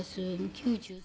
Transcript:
９３。